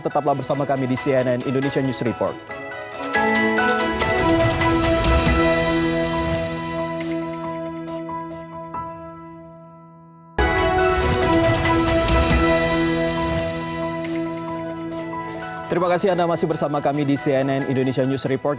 tetaplah bersama kami di cnn indonesia news report